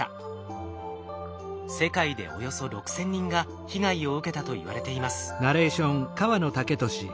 世界でおよそ６，０００人が被害を受けたといわれています。